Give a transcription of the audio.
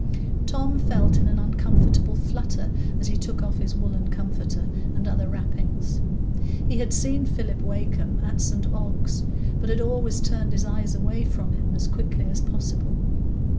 Tom felt in an uncomfortable flutter as he took off his woollen comforter and other wrappings. He had seen Philip Wakem at St Ogg's, but had always turned his eyes away from him as quickly as possible.